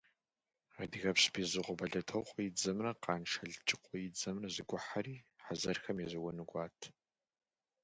Адыгэпщ Безрыкъуэ Бэлэтокъуэ и дзэмрэ Къанж Алыджыкъуэ и дзэмрэ зэгухьэри, хъэзэрхэм езэуэну кӏуат.